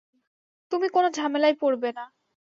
তুমি কোন ঝামেলায় পড়বে না।